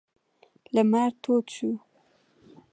لمر تود شو.